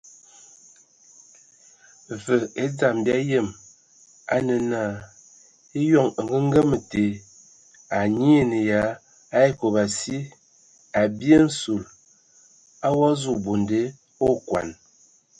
Və e dzam bia yəm a nə na, eyɔŋ ongəgəma te a nyiinə ya a ekob si,a bye nsul o wa zu bonde okɔn.